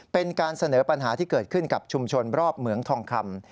เป็นการเสนอปัญหาที่เกิดขึ้นกับชุมชนรอบเหมืองทองคำ